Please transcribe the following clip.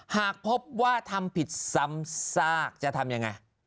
หากพบว่าทำผิดซ้ำซากจะทำยังไง